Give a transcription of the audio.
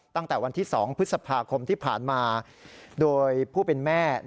ตั้งแต่วันที่๒พฤษภาคมที่ผ่านมาโดยผู้เป็นแม่